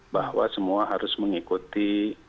bahwa semua harus mengikuti